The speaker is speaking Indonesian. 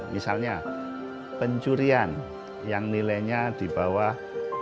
misalnya pencurian yang nilainya di bawah dua lima ratus